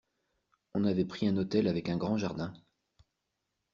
On avait pris un hôtel avec un grand jardin.